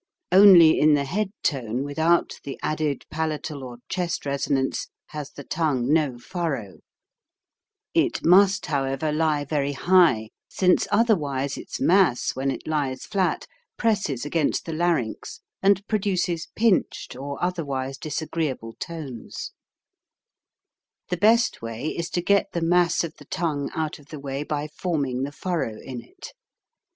(Only in the head tone with out the added palatal or chest resonance has the tongue no furrow; it must, however, lie very high, since otherwise its mass, when it lies flat, presses against the larynx and produces pinched or otherwise disagreeable tones.) no POSITION OF TONGUE 111 The best way is to get the mass of the tongue out of the way by forming the furrow in it.